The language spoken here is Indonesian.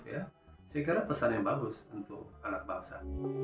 saya kira pesan yang bagus untuk anak bangsa